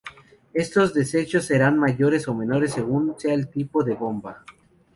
Estos desechos serán mayores o menores según sea el tipo de bomba.